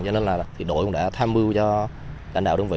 cho nên là đội đã tham mưu cho đảng đạo đồng vị